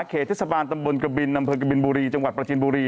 เขตเทศบาลตำบลกบินอำเภอกบินบุรีจังหวัดประจินบุรี